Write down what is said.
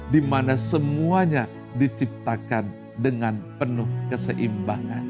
dimana semuanya diciptakan dengan penuh keseimbangan